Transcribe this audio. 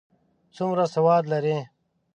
څومره سواد لري؟